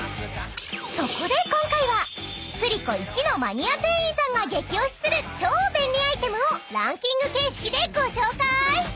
［そこで今回はスリコいちのマニア店員さんが激推しする超便利アイテムをランキング形式でご紹介］